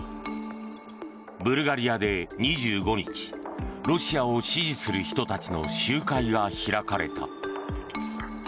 ブルガリアで２５日ロシアを支持する人たちの集会が開かれた。